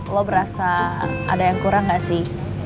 lo berasa ada yang kurang gak sih